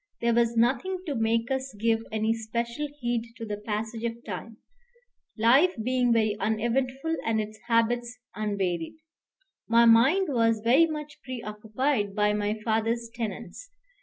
There was nothing to make us give any special heed to the passage of time, life being very uneventful and its habits unvaried. My mind was very much preoccupied by my father's tenants.